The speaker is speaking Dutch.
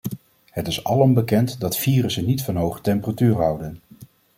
Het is alom bekend dat virussen niet van hoge temperaturen houden.